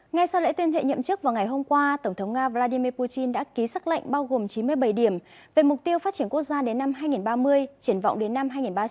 ngay sau lễ tuyên thệ nhậm chức vào ngày hôm qua tổng thống nga vladimir putin đã ký xác lệnh bao gồm chín mươi bảy điểm về mục tiêu phát triển quốc gia đến năm hai nghìn ba mươi triển vọng đến năm hai nghìn ba mươi sáu